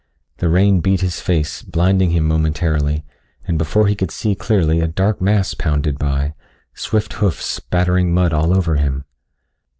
The rain beat his face, blinding him momentarily, and before he could see clearly a dark mass pounded by, swift hoofs spattering mud all over him.